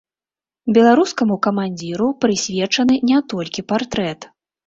Беларускаму камандзіру прысвечаны не толькі партрэт.